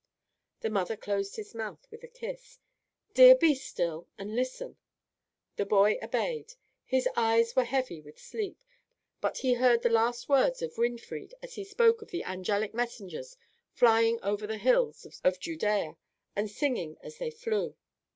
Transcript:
The mother closed his mouth with a kiss. "Dear, be still, and listen!" The boy obeyed. His eyes were heavy with sleep. But he heard the last words of Winfried as he spoke of the angelic messengers, flying over the hills of Judea and singing as they flew.